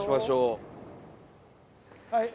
はい。